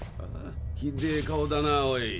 ひでえ顔だなおい。